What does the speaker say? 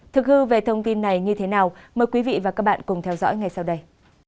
thực hư về thông tin này như thế nào mời quý vị và các bạn cùng theo dõi ngay sau đây